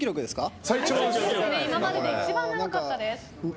今までで一番長かったです。